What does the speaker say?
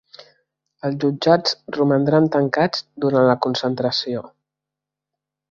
Els jutjats romandran tancats durant la concentració